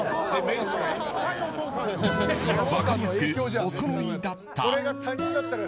分かりやすくおそろいだった。